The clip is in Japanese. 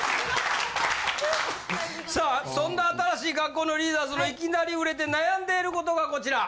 さあそんな新しい学校のリーダーズのいきなり売れて悩んでいる事がこちら。